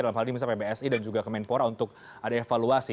dalam hal ini misalnya pbsi dan juga kemenpora untuk ada evaluasi